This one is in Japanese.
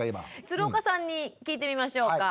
鶴岡さんに聞いてみましょうか。